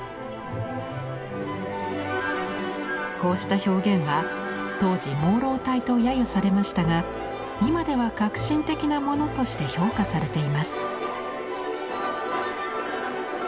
こうした表現は当時「朦朧体」と揶揄されましたが今では革新的なものとして評価されています。